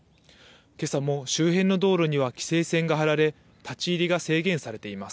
けさも周辺の道路には規制線が張られ、立ち入りが制限されています。